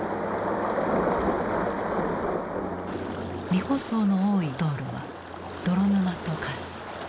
未舗装の多い道路は泥沼と化す。